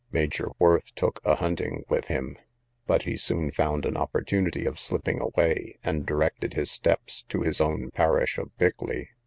Major Worth took a hunting with him: but he soon found an opportunity of slipping away, and directed his steps to his own parish of Bickley.